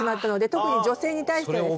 特に女性に対してはですね。